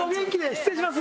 失礼します。